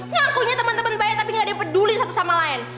ngakunya teman teman banyak tapi gak ada yang peduli satu sama lain